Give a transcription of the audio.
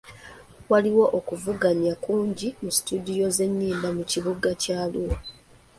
Waliwo okuvuganya kungi mu situdiyo z'ennyimba mu kibuga kya Arua.